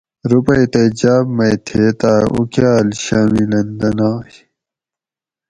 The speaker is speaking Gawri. رُوپئی تئی جاۤب مئی تھیتاۤ اُوکاۤل شامِ لندنائے